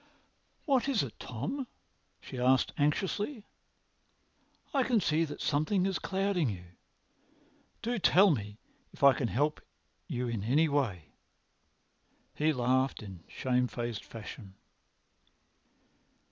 "What is it, Tom?" she asked anxiously. "I can see that something is clouding you. Do tell me if I can help you in any way." He laughed in shame faced fashion.